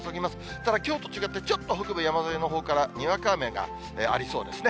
ただ、きょうと違って、ちょっと北部山沿いのほうからにわか雨がありそうですね。